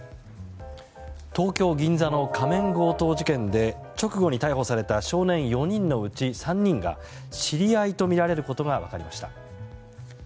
東京・銀座の仮面強盗事件で直後に逮捕された少年４人のうち３人が知り合いとみられることが分かりました。